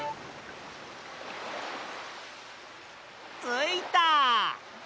ついた！